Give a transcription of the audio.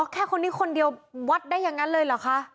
แต่แค่คนเดียววัดได้เลยเหรอคะ